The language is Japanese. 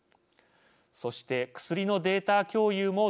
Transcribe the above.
そして薬のデータ共有も同様です。